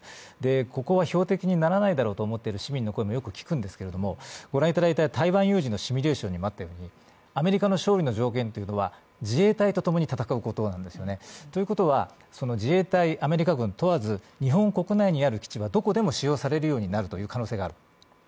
ここは標的にならないだろうと思っている市民の声もよく聞くんですけど、台湾有事のシミュレーションにもあったようにアメリカの勝利の条件は自衛隊と共に戦うことなんですよね。ということは、自衛隊、アメリカ軍問わず、日本国内にある基地はどこでも使用される可能性がある。